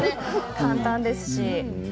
簡単ですし。